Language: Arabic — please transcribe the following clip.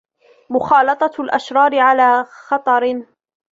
مُخَالَطَةُ الْأَشْرَارِ عَلَى خَطَرٍ